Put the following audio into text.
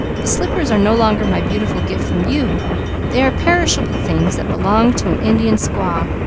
"The slippers are no longer my beautiful gift from you. They are perishable things that belong to an Indian squaw.